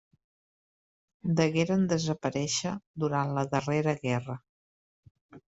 Degueren desaparèixer durant la darrera guerra.